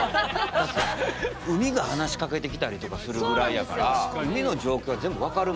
海が話しかけてきたりとかするぐらいやから海の状況は全部分かるもんね。